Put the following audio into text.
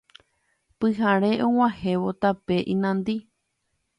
Pyhare og̃uahẽvo tape inandi